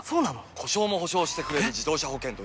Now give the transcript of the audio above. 故障も補償してくれる自動車保険といえば？